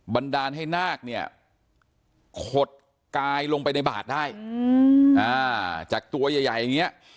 บรรดาให้นาคคดกายลงไปในบาตได้จากตัวใหญ่